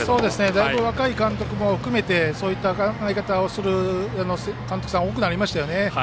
だいぶ、若い監督も含めてそういった在り方の監督さんも多くなりましたよね。